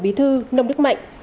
bí thư nông đức mạnh